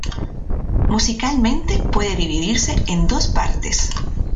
Musicalmente, puede dividirse en dos partes.